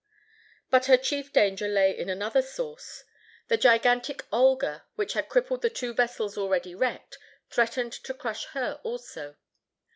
But her chief danger lay in another source. The gigantic Olga, which had crippled the two vessels already wrecked, threatened to crush her also.